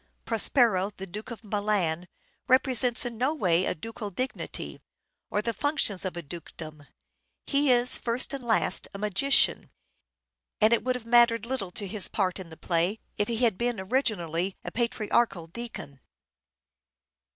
Prospero, the Duke of Milan, represents in no way a ducal dignity, or the functions of a dukedom. He is, first and last, a magician, and it would have mattered little to his part in the play if he had been originally a patriarchal deacon.